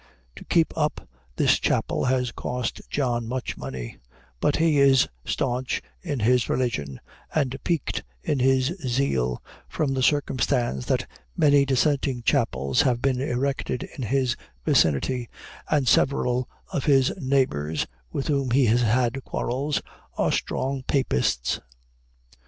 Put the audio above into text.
To keep up this chapel has cost John much money; but he is stanch in his religion, and piqued in his zeal, from the circumstance that many dissenting chapels have been erected in his vicinity, and several of his neighbors, with whom he has had quarrels, are strong papists.